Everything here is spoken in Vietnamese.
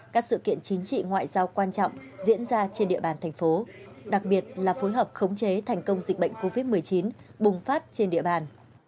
các sự kiện chính trị ngoại giao quan trọng diễn ra trên địa bàn thành phố đặc biệt là phối hợp khống chế thành công dịch bệnh covid một mươi chín bùng phát trên địa bàn